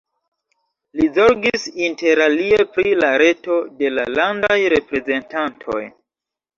Li zorgis interalie pri la reto de la Landaj Reprezentantoj.